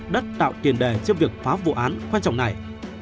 đất tạo tiền đề cho việc phá vụ án quan trọng này